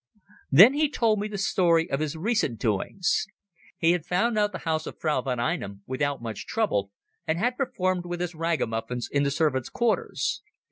Then he told me the story of his recent doings. He had found out the house of Frau von Einem without much trouble, and had performed with his ragamuffins in the servants' quarters.